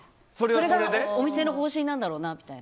それがお店の方針なんだろうなと。